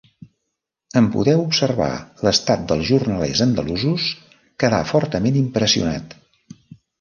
En poder observar l'estat dels jornalers andalusos quedà fortament impressionat.